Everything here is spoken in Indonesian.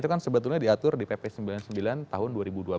itu kan sebetulnya diatur di pp sembilan puluh sembilan tahun dua ribu dua belas